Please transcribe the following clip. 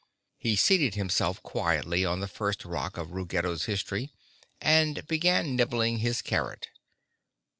He seated himself quietly on the first rock of Ruggedo's history, and began nibbling his carrot.